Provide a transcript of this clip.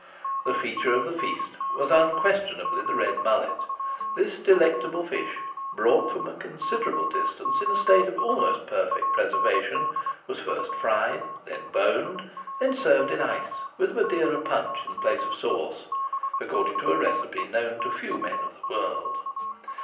The feature of the feast was unquestionably the red mullet. This delectable fish, brought from a considerable distance in a state of almost perfect preservation, was first fried, then boned, then served in ice, with Madeira punch in place of sauce, according to a recipe known to a few men of the world.